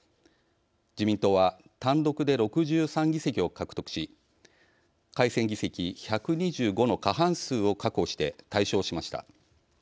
自民党は単独で６３議席を獲得し改選議席１２５の過半数を確保して大勝しました。